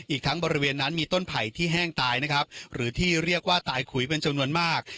อีกทั้งบริเวณนั้นมีต้นไผ่ที่แห้งตายนะครับหรือที่เรียกว่าตายขุยเป็นจำนวนมาก